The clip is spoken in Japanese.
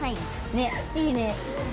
ねっいいね。